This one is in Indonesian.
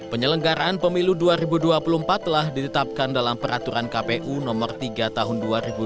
penyelenggaraan pemilu dua ribu dua puluh empat telah ditetapkan dalam peraturan kpu nomor tiga tahun dua ribu dua puluh